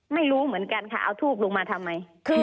ไม่รู้เหมือนกันค่ะเอาทูบลงมาทำไม